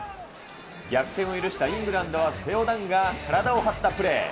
逆転を許したイングランドはセオ・ダンが体を張ったプレー。